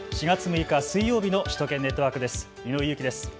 ４月６日水曜日の首都圏ネットワークです。